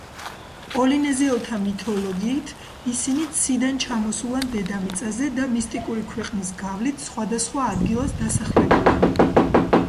პოლინეზიელთა მითოლოგიით, ისინი ციდან ჩამოსულან დედამიწაზე და მისტიკური ქვეყნის გავლით სხვადასხვა ადგილას დასახლებულან.